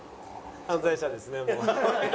犯罪者ですねもう。